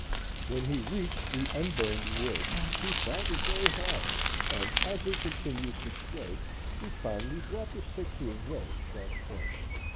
When he reached the unburned wood, he found it very hard and as he continued to scrape, he finally brought the stick to a very sharp point.